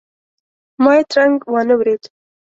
ما یې ترنګ وانه ورېد.